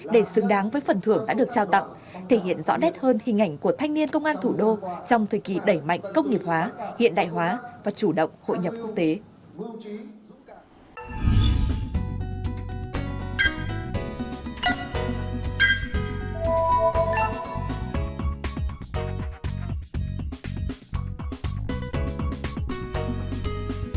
để xứng đáng với phần thưởng đã được trao tặng thể hiện rõ nét hơn hình ảnh của thanh niên công an thủ đô trong thời kỳ đẩy mạnh công nghiệp hóa hiện đại hóa và chủ động hội nhập quốc tế